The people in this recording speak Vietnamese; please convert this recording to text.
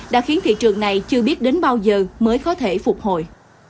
đã khiến thị trường này chưa biết đến bao giờ mới có thể phục hồi